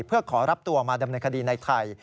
เพื่อขอรับตัวมาดำเนินคดีในไทย